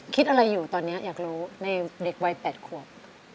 คิดอะไรอยู่ตอนนี้อยากรู้ในเด็กวัย๘ขวบ